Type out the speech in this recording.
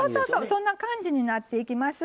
そんな感じになっていきます。